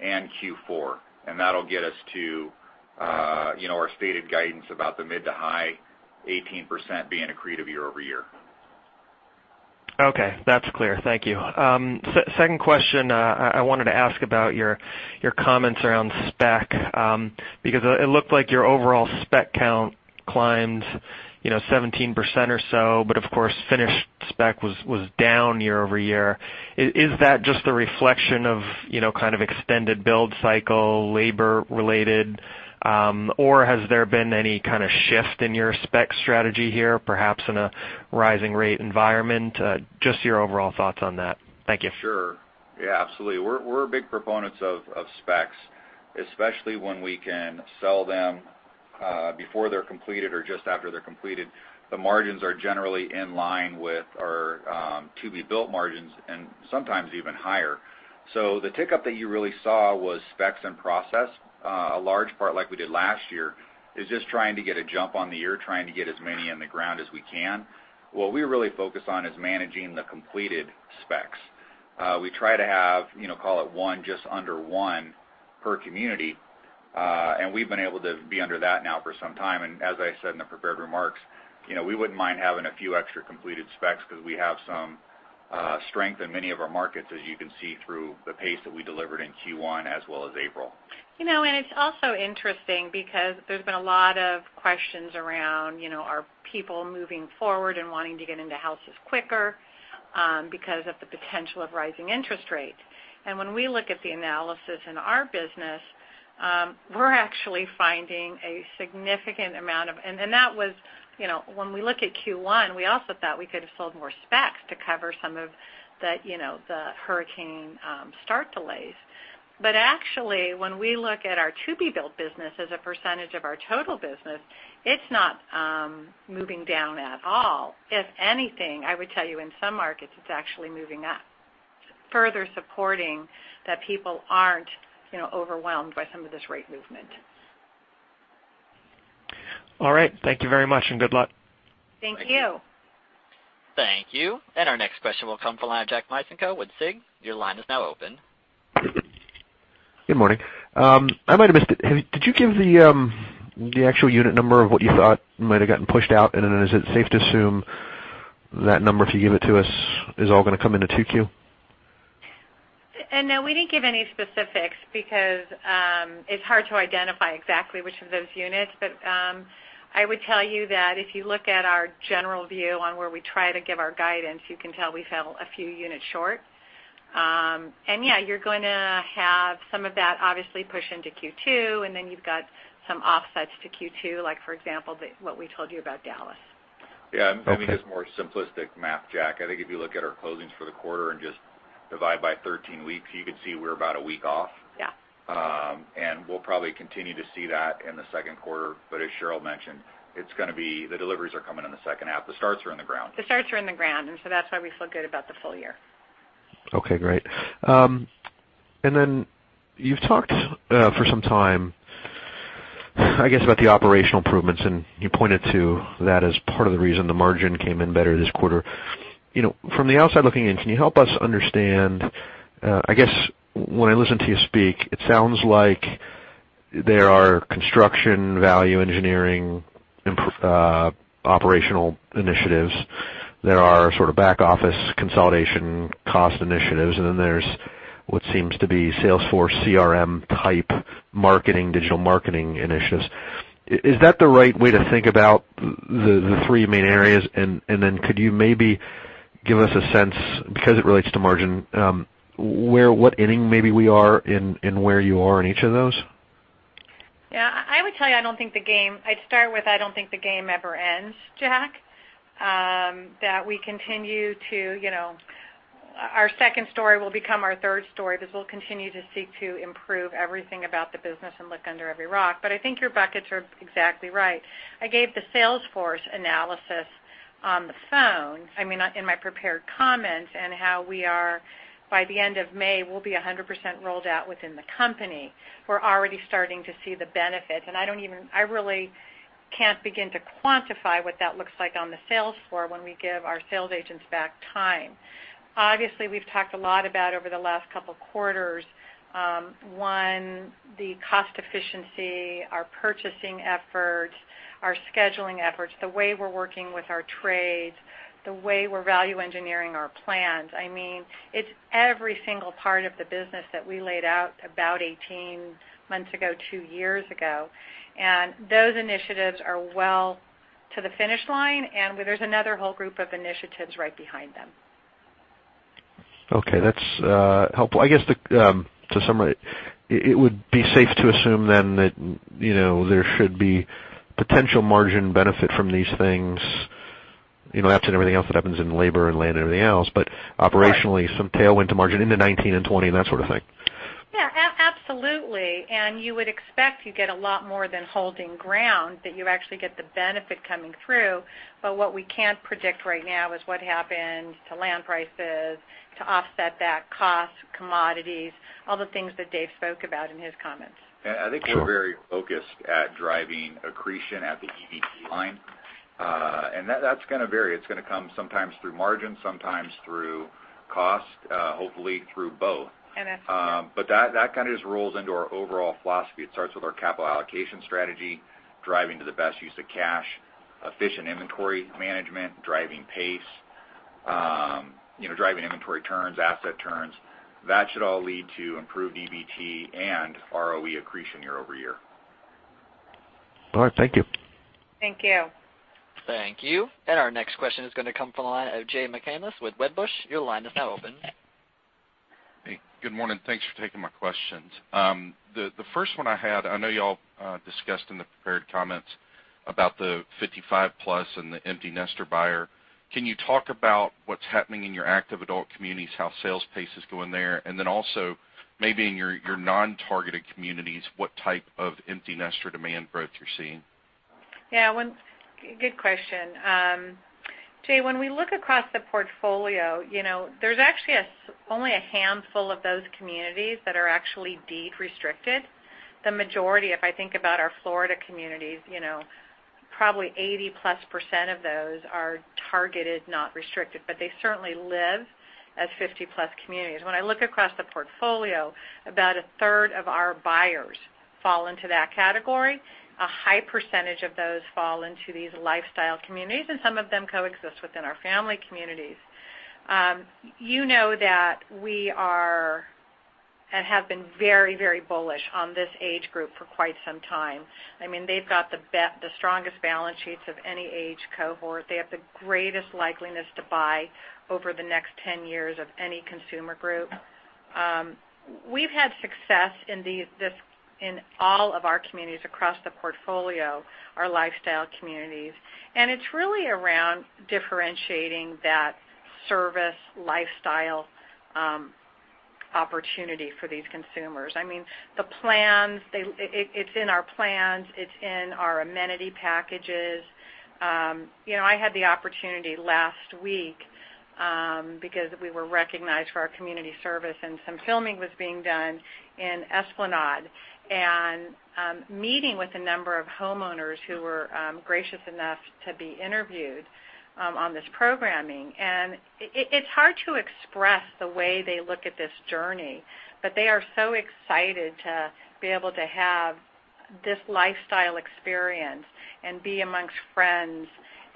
and Q4. That'll get us to our stated guidance about the mid- to high 18% being accretive year-over-year. Okay. That's clear. Thank you. Second question, I wanted to ask about your comments around spec because it looked like your overall spec count climbed 17% or so, but of course, finished spec was down year-over-year. Is that just the reflection of kind of extended build cycle, labor-related, or has there been any kind of shift in your spec strategy here, perhaps in a rising rate environment? Just your overall thoughts on that. Thank you. Sure. Yeah. Absolutely. We're big proponents of specs, especially when we can sell them before they're completed or just after they're completed. The margins are generally in line with our to-be-built margins and sometimes even higher. So the tick up that you really saw was specs in process. A large part, like we did last year, is just trying to get a jump on the year, trying to get as many in the ground as we can. What we really focus on is managing the completed specs. We try to have, call it one just under one per community. And we've been able to be under that now for some time. As I said in the prepared remarks, we wouldn't mind having a few extra completed specs because we have some strength in many of our markets, as you can see through the pace that we delivered in Q1 as well as April. It's also interesting because there's been a lot of questions around our people moving forward and wanting to get into houses quicker because of the potential of rising interest rates. When we look at the analysis in our business, we're actually finding a significant amount, and that was when we look at Q1, we also thought we could have sold more specs to cover some of the hurricane start delays. Actually, when we look at our to-be-built business as a percentage of our total business, it's not moving down at all. If anything, I would tell you in some markets, it's actually moving up, further supporting that people aren't overwhelmed by some of this rate movement. All right. Thank you very much and good luck. Thank you. Thank you. And our next question will come from the line of Jack Micenko with SIG. Your line is now open. Good morning. I might have missed it. Did you give the actual unit number of what you thought might have gotten pushed out? And then is it safe to assume that number, if you give it to us, is all going to come into 2Q? No, we didn't give any specifics because it's hard to identify exactly which of those units. But I would tell you that if you look at our general view on where we try to give our guidance, you can tell we fell a few units short. Yeah, you're going to have some of that obviously push into Q2, and then you've got some offsets to Q2, like for example, what we told you about Dallas. Yeah. I think it's more simplistic map, Jack. I think if you look at our closings for the quarter and just divide by 13 weeks, you can see we're about a week off. And we'll probably continue to see that in the second quarter. But as Sheryl mentioned, it's going to be the deliveries are coming in the second half. The starts are in the ground. The starts are in the ground, and so that's why we feel good about the full year. Okay. Great. And then you've talked for some time, I guess, about the operational improvements, and you pointed to that as part of the reason the margin came in better this quarter. From the outside looking in, can you help us understand? I guess when I listen to you speak, it sounds like there are construction, value engineering, operational initiatives. There are sort of back office consolidation cost initiatives. And then there's what seems to be Salesforce CRM type marketing, digital marketing initiatives. Is that the right way to think about the three main areas? And then could you maybe give us a sense, because it relates to margin, what ending maybe we are and where you are in each of those? Yeah. I would tell you I don't think the game. I'd start with, "I don't think the game ever ends," Jack, that we continue to our second story will become our third story because we'll continue to seek to improve everything about the business and look under every rock. But I think your buckets are exactly right. I gave the Salesforce analysis on the phone, I mean, in my prepared comments and how we are, by the end of May, we'll be 100% rolled out within the company. We're already starting to see the benefits. And I really can't begin to quantify what that looks like on the sales floor when we give our sales agents back time. Obviously, we've talked a lot about over the last couple of quarters, one, the cost efficiency, our purchasing efforts, our scheduling efforts, the way we're working with our trades, the way we're value engineering our plans. I mean, it's every single part of the business that we laid out about 18 months ago, two years ago. And those initiatives are well to the finish line. And there's another whole group of initiatives right behind them. Okay. That's helpful. I guess, in summary, it would be safe to assume then that there should be potential margin benefit from these things, apart from everything else that happens in labor and land and everything else, but operationally, some tailwind to margin in 2019 and 2020 and that sort of thing. Yeah. Absolutely. And you would expect you get a lot more than holding ground that you actually get the benefit coming through. But what we can't predict right now is what happened to land prices to offset that cost, commodities, all the things that Dave spoke about in his comments. Yeah. I think we're very focused at driving accretion at the EBITDA line, and that's going to vary. It's going to come sometimes through margin, sometimes through cost, hopefully through both. That's true. But that kind of just rolls into our overall philosophy. It starts with our capital allocation strategy, driving to the best use of cash, efficient inventory management, driving pace, driving inventory turns, asset turns. That should all lead to improved EVT and ROE accretion year-over-year. All right. Thank you. Thank you. Thank you. And our next question is going to come from the line of Jay McCanless with Wedbush. Your line is now open. Hey. Good morning. Thanks for taking my questions. The first one I had, I know y'all discussed in the prepared comments about the 55-plus and the empty nester buyer. Can you talk about what's happening in your active adult communities, how sales pace is going there? And then also maybe in your non-targeted communities, what type of empty nester demand growth you're seeing? Yeah. Good question. Jay, when we look across the portfolio, there's actually only a handful of those communities that are actually deed restricted. The majority, if I think about our Florida communities, probably 80+% of those are targeted, not restricted, but they certainly live as 50-plus communities. When I look across the portfolio, about a third of our buyers fall into that category. A high percentage of those fall into these lifestyle communities, and some of them coexist within our family communities. You know that we are and have been very, very bullish on this age group for quite some time. I mean, they've got the strongest balance sheets of any age cohort. They have the greatest likeliness to buy over the next 10 years of any consumer group. We've had success in all of our communities across the portfolio, our lifestyle communities. It's really around differentiating that service lifestyle opportunity for these consumers. I mean, the plans, it's in our plans, it's in our amenity packages. I had the opportunity last week because we were recognized for our community service, and some filming was being done in Esplanade and meeting with a number of homeowners who were gracious enough to be interviewed on this programming. It's hard to express the way they look at this journey, but they are so excited to be able to have this lifestyle experience and be amongst friends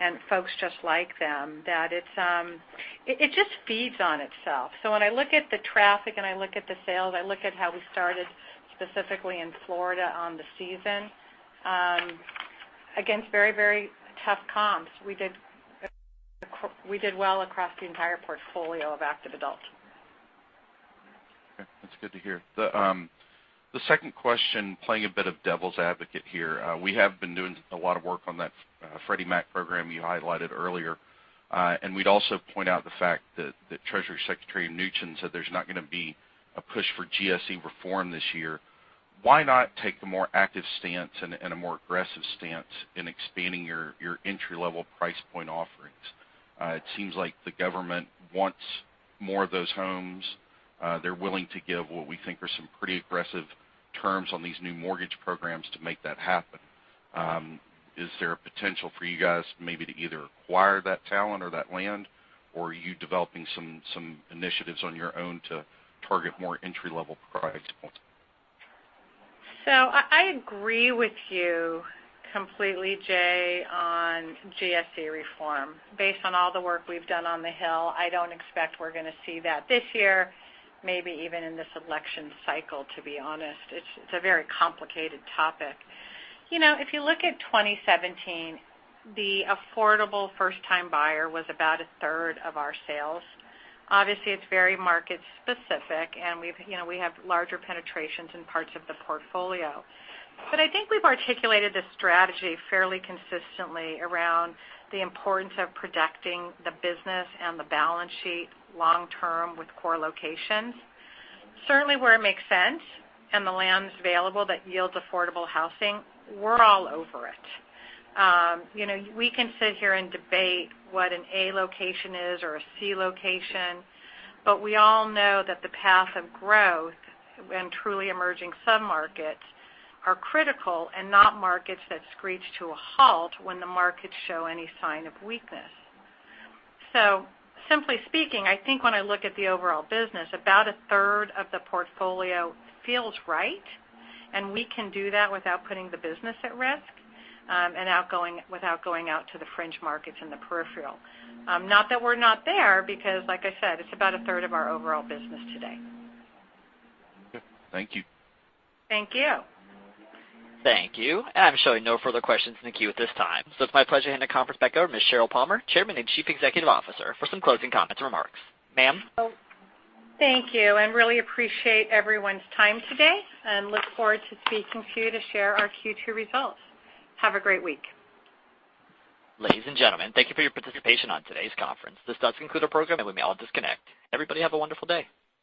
and folks just like them that it just feeds on itself. When I look at the traffic and I look at the sales, I look at how we started specifically in Florida on the season, again, very, very tough comps. We did well across the entire portfolio of active adults. Okay. That's good to hear. The second question, playing a bit of devil's advocate here, we have been doing a lot of work on that Freddie Mac program you highlighted earlier. And we'd also point out the fact that Treasury Secretary Mnuchin said there's not going to be a push for GSE reform this year. Why not take a more active stance and a more aggressive stance in expanding your entry-level price point offerings? It seems like the government wants more of those homes. They're willing to give what we think are some pretty aggressive terms on these new mortgage programs to make that happen. Is there a potential for you guys maybe to either acquire that talent or that land, or are you developing some initiatives on your own to target more entry-level price points? So I agree with you completely, Jay, on GSE reform. Based on all the work we've done on the Hill, I don't expect we're going to see that this year, maybe even in this election cycle, to be honest. It's a very complicated topic. If you look at 2017, the affordable first-time buyer was about a third of our sales. Obviously, it's very market-specific, and we have larger penetrations in parts of the portfolio. But I think we've articulated the strategy fairly consistently around the importance of protecting the business and the balance sheet long-term with core locations. Certainly, where it makes sense and the land's available that yields affordable housing, we're all over it. We can sit here and debate what an A location is or a C location, but we all know that the path of growth and truly emerging sub-markets are critical and not markets that screech to a halt when the markets show any sign of weakness. So simply speaking, I think when I look at the overall business, about a third of the portfolio feels right, and we can do that without putting the business at risk and without going out to the fringe markets in the peripheral. Not that we're not there because, like I said, it's about a third of our overall business today. Okay. Thank you. Thank you. Thank you. And I'm showing no further questions in the queue at this time. So it's my pleasure to hand the conference back over to Ms. Sheryl Palmer, Chairman and Chief Executive Officer, for some closing comments and remarks. Ma'am. Thank you, and really appreciate everyone's time today and look forward to speaking to you to share our Q2 results. Have a great week. Ladies and gentlemen, thank you for your participation on today's conference. This does conclude our program, and we may all disconnect. Everybody have a wonderful day.